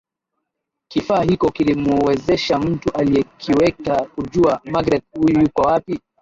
Kifaa hiko kilimuwezesha mtu aliyekiweka kujua Magreth yuko wapi